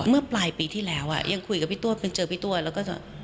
เมื่อปลายปีที่แล้วอ่ะยังคุยกับพี่ตัวเป็นเจอพี่ตัวแล้วก็จะ